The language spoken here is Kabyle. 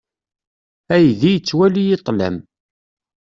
Aydi yettwali i ṭṭlam.